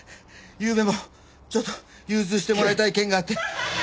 ゆうべもちょっと融通してもらいたい件があって。